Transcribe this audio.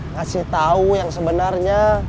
kasih tau yang sebenarnya